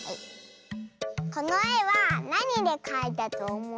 このえはなにでかいたとおもう？